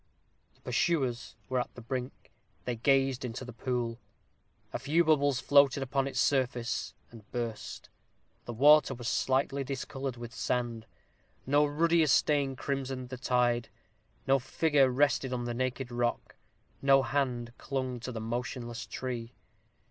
The pursuers were at the brink. They gazed at the pool. A few bubbles floated upon its surface, and burst. The water was slightly discolored with sand. No ruddier stain crimsoned the tide; no figure rested on the naked rock; no hand clung to the motionless tree.